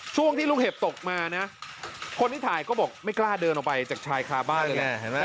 ช่วงที่ลูกเห็บตกมานะคนที่ถ่ายก็บอกไม่กล้าเดินออกไปจากชายคาบ้านเลยแหละ